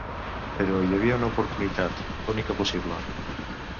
Però hi havia una oportunitat, l'única possible.